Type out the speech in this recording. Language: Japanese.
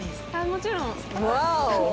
もちろん。